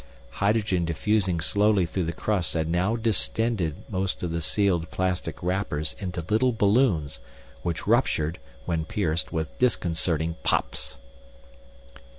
Hydrogen diffusing slowly through the crusts had now distended most of the sealed plastic wrappers into little balloons, which ruptured, when pierced, with disconcerting pops.